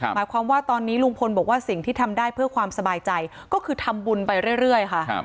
หมายความว่าตอนนี้ลุงพลบอกว่าสิ่งที่ทำได้เพื่อความสบายใจก็คือทำบุญไปเรื่อยค่ะ